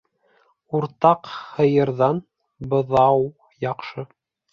Уртаҡ һыйырҙан быҙау яҡшы.